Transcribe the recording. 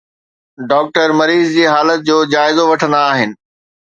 doctor مريض جي حالت جو جائزو وٺندا آهن